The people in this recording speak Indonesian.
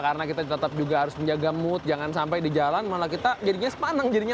karena kita tetap juga harus menjaga mood jangan sampai di jalan malah kita jadinya sepanang jadinya